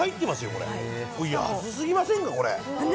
これ、安すぎませんか、これ。